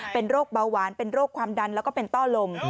เป็นโรคเบาหวานเป็นโรคความดันแล้วก็เป็นต้อลม